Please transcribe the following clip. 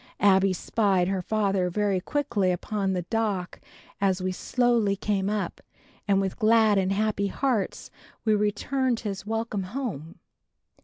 Abbie spied her father very quickly upon the dock as we slowly came up and with glad and happy hearts we returned his "Welcome home."